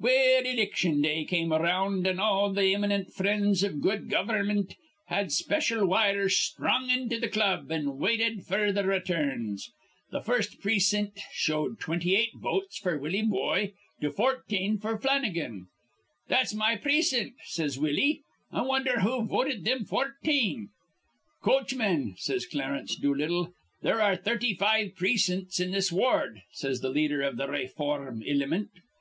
"Well, iliction day come around; an' all th' imminent frinds iv good gover'mint had special wires sthrung into th' club, an' waited f'r th' returns. Th' first precin't showed 28 votes f'r Willie Boye to 14 f'r Flannigan. 'That's my precin't,' says Willie. 'I wondher who voted thim fourteen?' 'Coachmen,' says Clarence Doolittle. 'There are thirty five precin'ts in this ward,' says th' leader iv th' rayform ilimint.